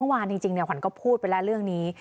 เมื่อวานจริงขวัญก็พูดไปแล้วเรื่องนี้